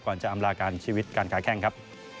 จะอำลาการชีวิตการค้าแข้งครับ